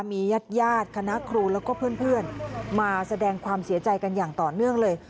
มีญาติญาติคณะครูแล้วก็เพื่อนมาแสดงความเสียใจกันอย่างต่อเนื่องเลย